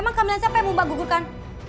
emang kamu lihat siapa yang mau mbak gugurkan